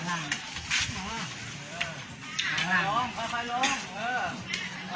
ลงไฟลึงลงไฟ